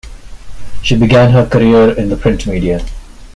She began her career in the print media.